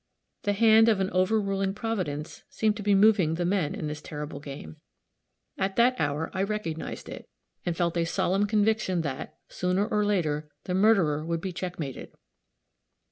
The hand of an overruling Providence seemed to be moving the men in this terrible game. At that hour I recognized it, and felt a solemn conviction that, sooner or later, the murderer would be checkmated.